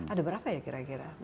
ada berapa ya kira kira